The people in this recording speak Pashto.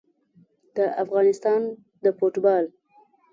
د افغانستان د فوټبال